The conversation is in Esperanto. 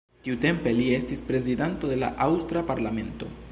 Tiutempe li estis prezidanto de la aŭstra parlamento.